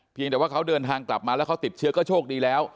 แต่ว่าเขาเดินทางกลับมาแล้วเขาติดเชื้อก็โชคดีแล้ว